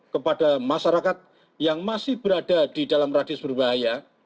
kepada masyarakat yang masih berada di dalam radius berbahaya